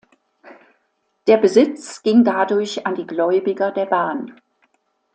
Der Besitz ging dadurch an die Gläubiger der Bahn.